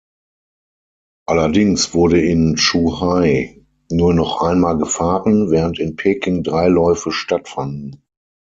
Allerdings wurde in Zhuhai nur noch einmal gefahren, während in Peking drei Läufe stattfanden.